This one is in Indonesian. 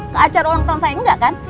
ke acara ulang tahun sayang engga kan